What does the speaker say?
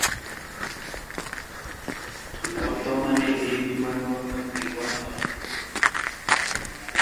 বর্তমানে এই বিমানবন্দরটি বন্ধ।